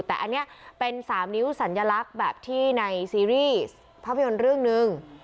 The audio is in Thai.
แต่อันเนี่ยเป็นสามนิ้วสัญลักษมณ์แบบที่ในซีรีส์ภาพยพิว่ารึ่งนึง